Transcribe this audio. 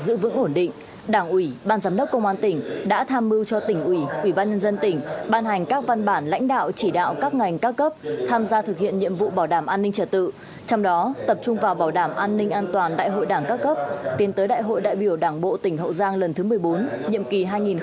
giữ vững ổn định đảng ủy ban giám đốc công an tỉnh đã tham mưu cho tỉnh ủy ủy ban nhân dân tỉnh ban hành các văn bản lãnh đạo chỉ đạo các ngành các cấp tham gia thực hiện nhiệm vụ bảo đảm an ninh trật tự trong đó tập trung vào bảo đảm an ninh an toàn tại hội đảng các cấp tiến tới đại hội đại biểu đảng bộ tỉnh hậu giang lần thứ một mươi bốn nhiệm kỳ hai nghìn hai mươi hai nghìn hai mươi năm